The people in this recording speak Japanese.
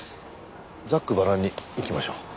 ざっくばらんにいきましょう。ね。